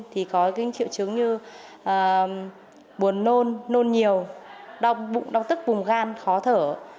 thì có những triệu chứng như buồn nôn nôn nhiều đau tức bùng gan khó thở